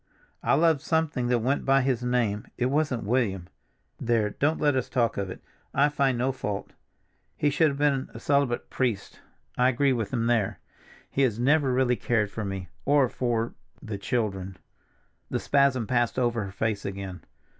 I loved something that went by his name, it wasn't William. There, don't let us talk of it; I find no fault. He should have been a celibate priest; I agree with him there. He has never really cared for me, or for—the children." The spasm passed over her face again.